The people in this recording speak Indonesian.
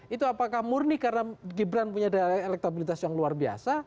itu apakah murni karena gibran punya daya elektabilitas yang luar biasa